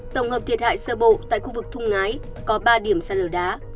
tổng hợp thiệt hại sơ bộ tại khu vực thung ngái có ba điểm sạt lở đá